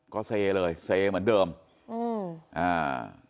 ก็เซเลยเซเหมือนเดิมอืมอ่า